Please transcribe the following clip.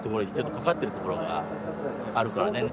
かかっているところがあるからね。